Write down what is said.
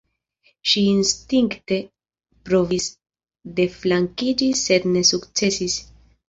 Ŝi instinkte provis deflankiĝi, sed ne sukcesis.